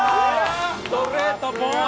ストレートボン！